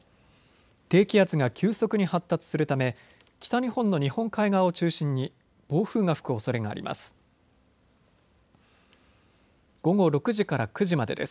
低気圧が急速に発達するため北日本の日本海側を中心に暴風が吹くおそれがあります。